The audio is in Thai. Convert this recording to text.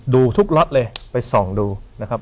ดูทุกล็อตเลยไปส่องดูนะครับ